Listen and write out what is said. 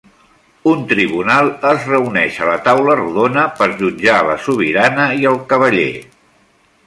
Un tribunal es reuneix a la Taula Rodona per jutjar la sobirana i el cavaller.